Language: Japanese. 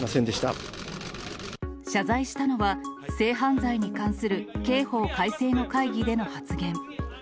謝罪したのは、性犯罪に関する刑法改正の会議での発言。